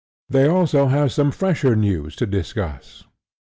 They have also some fresher news to discuss.